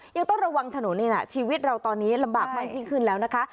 ยังต้องระวังถนนนี่นะชีวิตเราตอนนี้ลำบากมากยิ่งขึ้นแล้วนะคะ